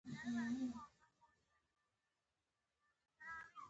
د برخوردار لفظ نه دا اندازه پۀ اسانه لګي